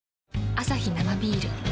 アサヒ生ビール